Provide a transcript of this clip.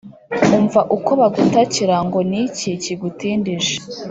umva uko bagutakira, ngo n'iki kigutindije ?